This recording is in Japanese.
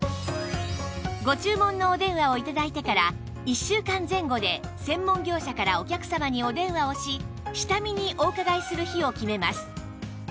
ご注文のお電話を頂いてから１週間前後で専門業者からお客様にお電話をし下見にお伺いする日を決めます